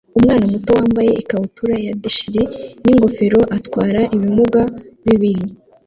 Umwana muto wambaye ikabutura ya deshire n'ingofero atwara ibimuga bibiri